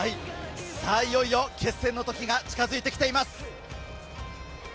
いよいよ決戦のときが近づいてきています。